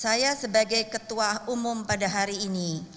saya sebagai ketua umum pada hari ini